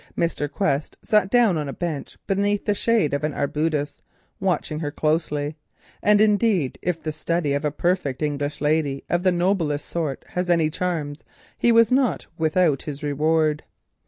Mr. Quest sat down on a bench beneath the shade of an arbutus, watching her closely, and indeed, if the study of a perfect English lady of the noblest sort has any charms, he was not without his reward.